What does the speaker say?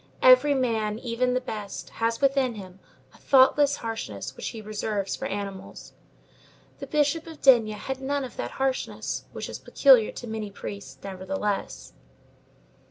Every man, even the best, has within him a thoughtless harshness which he reserves for animals. The Bishop of D—— had none of that harshness, which is peculiar to many priests, nevertheless.